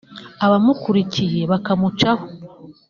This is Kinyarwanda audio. abamukurikiye bakamucaho